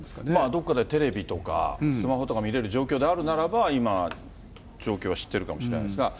どこかでテレビとかスマホとか見れる状況であるならば、今、状況は知ってるかもしれないですが。